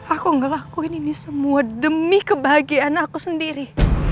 aku ngelakuin ini semua demi kebahagiaan aku sendiri